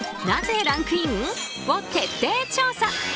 なぜランクイン？を徹底を調査。